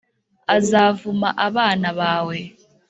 “Azavuma abana bawe,